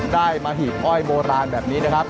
ได้มาหีบอ้อยโบราณแบบนี้นะครับ